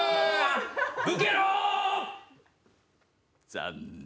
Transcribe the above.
残念。